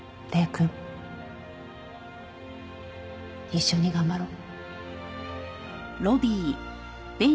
一緒に頑張ろう。